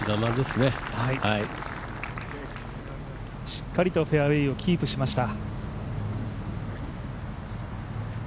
しっかりとフェアウエーをキープしました。